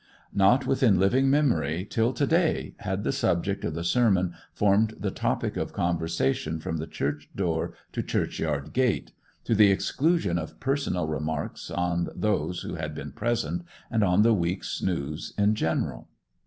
Not within living memory till to day had the subject of the sermon formed the topic of conversation from the church door to church yard gate, to the exclusion of personal remarks on those who had been present, and on the week's news in general.